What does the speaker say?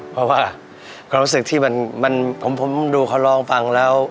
เพราะว่าความรู้สึกที่มันผมดูเขาลองฟังแล้ว